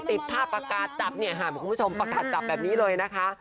ติดภาพประกาศจับเนี่ยค่ะคุณผู้ชมประกาศจับแบบนี้เลยนะคะ